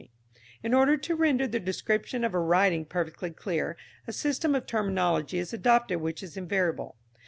] In order to render the description of a writing perfectly clear, a system of terminology is adopted which is invariable.